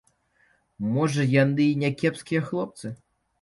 Можа, яны і някепскія хлопцы.